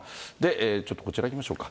ちょっとこちらいきましょうか。